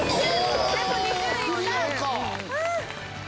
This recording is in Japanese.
クリアか！